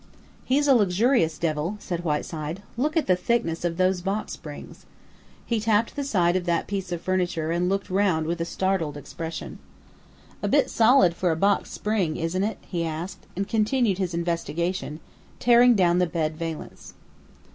"He's a luxurious devil," said Whiteside. "Look at the thickness of those box springs." He tapped the side of that piece of furniture and looked round with a startled expression. "A bit solid for a box spring, isn't it?" he asked, and continued his investigation, tearing down the bed valance.